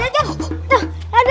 tuh lihat ya